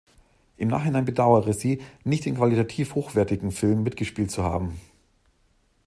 Im Nachhinein bedauere sie, nicht in qualitativ hochwertigen Filmen mitgespielt zu haben.